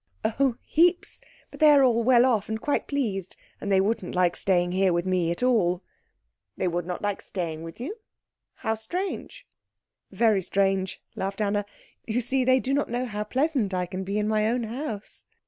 "Oh, heaps. But they are all well off and quite pleased, and they wouldn't like staying here with me at all." "They would not like staying with you? How strange." "Very strange," laughed Anna. "You see they don't know how pleasant I can be in my own house."